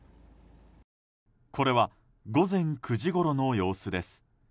これは午前９時ごろの様子です。